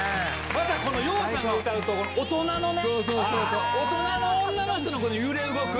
またこの羊さんが歌うと、大人のね、大人の女の人の揺れ動く。